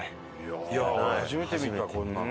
俺初めて見たこんなの。